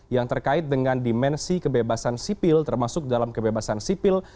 yang terkait dengan dimensi kebebasan sipil termasuk dalam kebebasan sipil